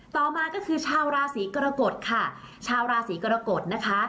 ต่อมาก็คือชาวราศีกรกฎค่ะชาวราศีกรกฎนะคะ